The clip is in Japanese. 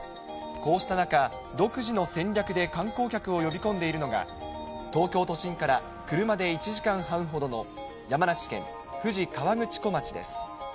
こうした中、独自の戦略で観光客を呼び込んでいるのが、東京都心から車で１時間半ほどの山梨県富士河口湖町です。